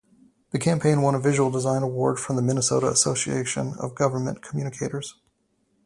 The campaign won a visual design award from the Minnesota Association of Government Communicators.